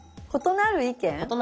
「○なる意見」。